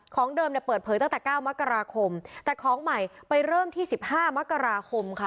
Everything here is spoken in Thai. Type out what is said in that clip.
ของเดิมเนี่ยเปิดเผยตั้งแต่๙มกราคมแต่ของใหม่ไปเริ่มที่๑๕มกราคมค่ะ